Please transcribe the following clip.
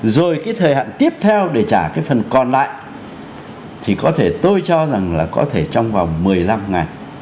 rồi cái thời hạn tiếp theo để trả cái phần còn lại thì có thể tôi cho rằng là có thể trong vòng một mươi năm ngày